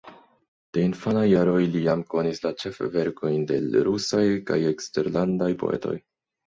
De infanaj jaroj li jam konis la ĉefverkojn de l' rusaj kaj eksterlandaj poetoj.